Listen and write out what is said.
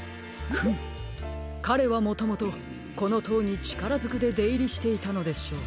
フムかれはもともとこのとうにちからづくででいりしていたのでしょう。